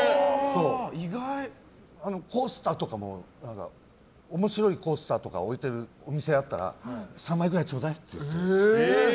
コースターとかも面白いコースターとか置いてるお店があったら３枚くらいちょうだいって言って。